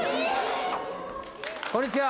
こんにちは。